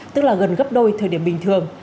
tức là gần gấp đôi thời điểm bình thường